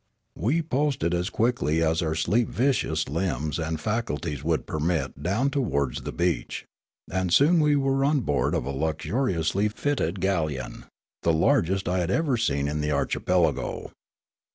We posted as quickly as our sleep viscous limbs and faculties would permit down towards the beach ; and soon we were on board of a luxuriously fitted galleon, the largest I had ever seen in the archipelago.